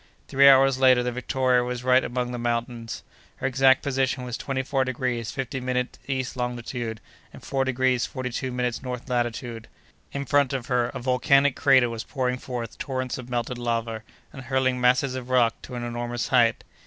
Three hours later, the Victoria was right among the mountains. Her exact position was twenty four degrees fifteen minutes east longitude, and four degrees forty two minutes north latitude, and four degrees forty two minutes north latitude. In front of her a volcanic crater was pouring forth torrents of melted lava, and hurling masses of rock to an enormous height.